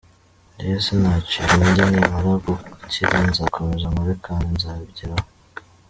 Njyewe sinacika intege nimara gukira nzakomeza nkore kandi nzabigeraho.